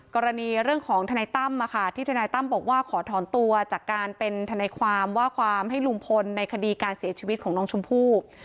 กรณีเรื่องของทนายตั้มที่ทนายตั้มบอกว่าขอถอนตัวจากการเป็นทนายความว่าความให้ลุงพลในคดีการเสียชีวิตของน้องชมพู่